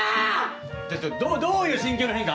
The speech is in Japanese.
どういう心境の変化？